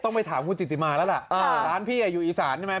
ไปถามคุณจิติมาแล้วล่ะร้านพี่อยู่อีสานใช่ไหม